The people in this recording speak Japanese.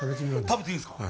食べていいんですか？